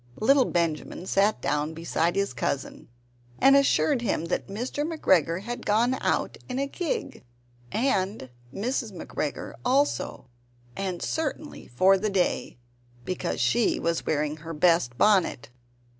Little Benjamin sat down beside his cousin and assured him that Mr. McGregor had gone out in a gig, and Mrs. McGregor also; and certainly for the day, because she was wearing her best bonnet.